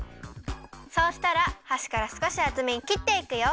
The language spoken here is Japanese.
そうしたらはしからすこしあつめにきっていくよ。